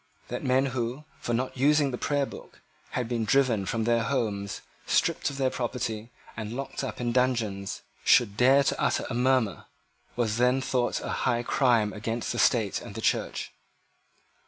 That men who, for not using the Prayer Book, had been driven from their homes, stripped of their property, and locked up in dungeons, should dare to utter a murmur, was then thought a high crime against the State and the Church.